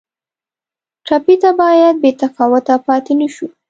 ټپي ته باید بې تفاوته پاتې نه شو.